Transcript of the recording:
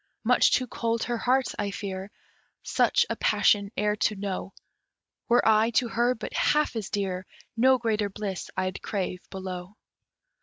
Much too cold her heart, I fear, Such a passion e'er to know Were I to her but half as dear, No greater bliss I'd crave below.